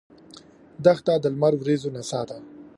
دښته د لمر وریځو نڅا ده.